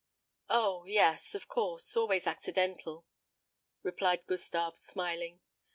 "O yes, of course, always accidental," replied Gustave, smiling.